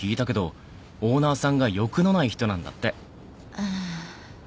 ああ。